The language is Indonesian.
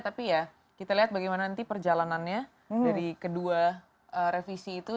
tapi ya kita lihat bagaimana nanti perjalanannya dari kedua revisi itu